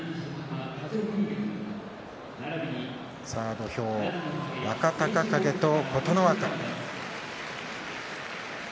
土俵、若隆景と琴ノ若。